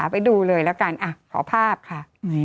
ไปดูเลยแล้วกันขอภาพค่ะ